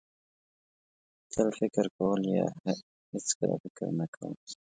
تل فکر کول یا هېڅکله فکر نه کول.